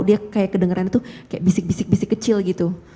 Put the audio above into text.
dia kayak kedengeran itu kayak bisik bisik bisik kecil gitu